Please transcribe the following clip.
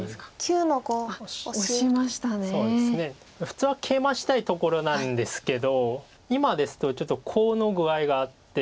普通はケイマしたいところなんですけど今ですとちょっとコウの具合があって。